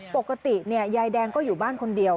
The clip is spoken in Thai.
ปกติยายแดงก็อยู่บ้านคนเดียว